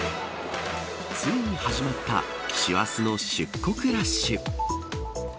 ついに始まった師走の出国ラッシュ。